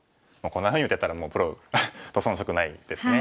こんなふうに打てたらもうプロと遜色ないですね。